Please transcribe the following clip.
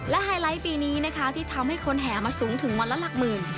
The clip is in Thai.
และไฮไลท์ปีนี้นะคะที่ทำให้คนแห่มาสูงถึงวันละหลักหมื่น